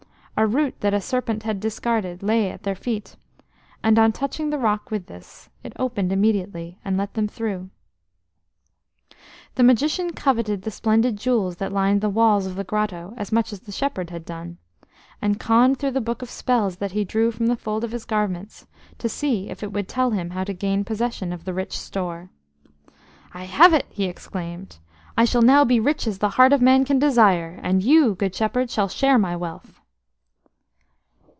A root that a serpent had discarded lay at their feet, and on touching the rock with this, it opened immediately, and let them through. The magician coveted the splendid jewels that lined the walls of the grotto as much as the shepherd had done, and conned through the book of spells that he drew from the folds of his garment to see if it would tell him how to gain possession of the rich store. "I have it!" he exclaimed. "I shall now be rich as the heart of man can desire, and you, good shepherd, shall share my wealth."